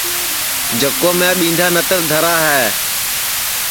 جکو میں ٻِندھا نتر دھرا ہے